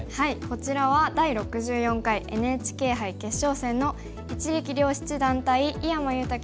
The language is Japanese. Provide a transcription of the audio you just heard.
こちらは第６４回ＮＨＫ杯決勝戦の一力遼七段対井山裕太